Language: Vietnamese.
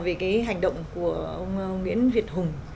về cái hành động của ông nguyễn việt hùng